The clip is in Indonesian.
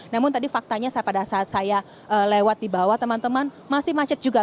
namun tadi faktanya pada saat saya lewat di bawah teman teman masih macet juga